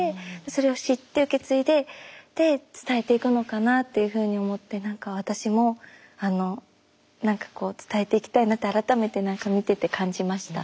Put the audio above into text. それを知って受け継いでで伝えていくのかなっていうふうに思って何か私も何かこう伝えていきたいなって改めて何か見てて感じました。